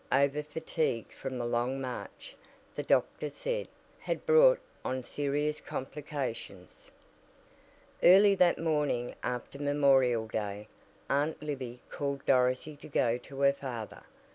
Overfatigue from the long march, the doctor said, had brought on serious complications. Early that morning after Memorial Day, Aunt Libby called Dorothy to go to her father.